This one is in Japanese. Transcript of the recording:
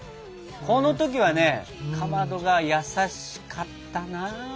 この時はねかまどが優しかったなあ！